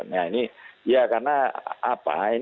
nah ini ya karena apa